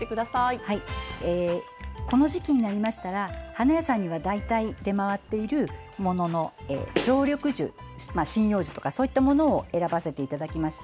この時期になりましたら花屋さんには大体出回っている常緑樹、針葉樹とかそういったものを選ばせていただきました。